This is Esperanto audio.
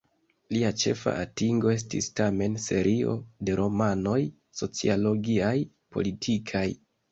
Lia ĉefa atingo estis tamen serio de romanoj sociologiaj-politikaj.